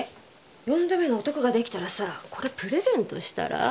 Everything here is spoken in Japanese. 四度目の男が出来たらさこれプレゼントしたら？